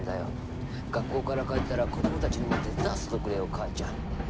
学校から帰ったら子供たちにも手伝わせとくれよ母ちゃん」。